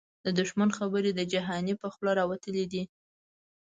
د دښمن خبري د جهانی په خوله راوتلی دې